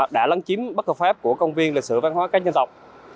đã lấn chiếm bất hợp pháp của công viên lịch sử văn hóa các dân tộc